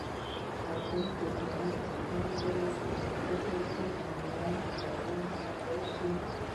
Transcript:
آزاد تجارت مهم دی ځکه چې آنلاین کورسونه رسوي.